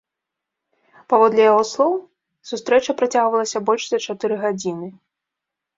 Паводле яго слоў, сустрэча працягвалася больш за чатыры гадзіны.